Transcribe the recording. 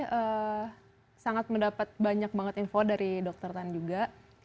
saya sangat mendapat banyak banget info dari dokter tan juga